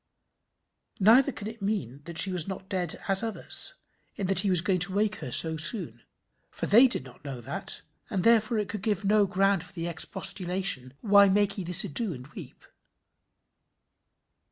Neither can it mean, that she was not dead as others, in that he was going to wake her so soon; for they did not know that, and therefore it could give no ground for the expostulation, "Why make ye this ado, and weep?"